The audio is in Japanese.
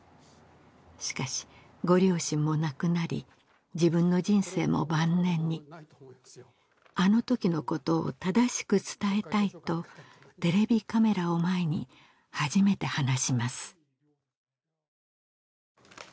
しかしご両親も亡くなり自分の人生も晩年にあのときのことを正しく伝えたいとテレビカメラを前に初めて話します